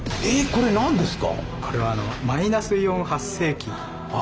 これ何ですか？